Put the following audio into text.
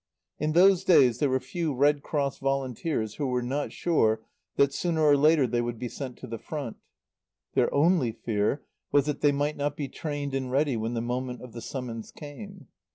In those days there were few Red Cross volunteers who were not sure that sooner or later they would be sent to the Front. Their only fear was that they might not be trained and ready when the moment of the summons came.